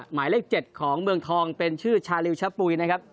หมายเลข๗ของเมืองทองเป็นชื่อชาลิวชะปุ๋ยนะครับ